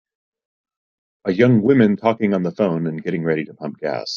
A young women talking on the phone and getting ready to pump gas.